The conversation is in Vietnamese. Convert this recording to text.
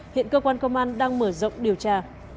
hiện cơ quan công an đang mở rộng điều tra